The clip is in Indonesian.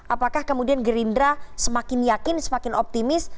apakah kemudian gerindra semakin yakin semakin optimis